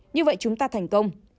như vậy chúng ta thành công